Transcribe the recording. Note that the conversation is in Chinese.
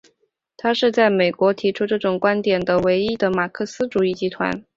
它是在美国提出这种观点的唯一的马克思主义集团。